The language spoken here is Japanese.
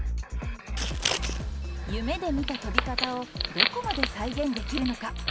夢で見た飛び方をどこまで再現できるのか。